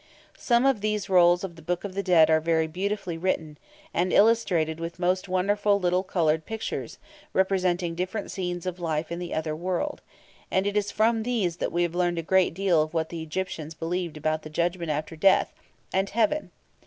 Some of these rolls of the Book of the Dead are very beautifully written, and illustrated with most wonderful little coloured pictures, representing different scenes of life in the other world, and it is from these that we have learned a great deal of what the Egyptians believed about the judgment after death, and heaven.